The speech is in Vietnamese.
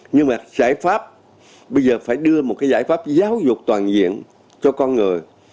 nhưng mà giải pháp bây giờ phải đưa một giải pháp giáo dục toàn diện cho con người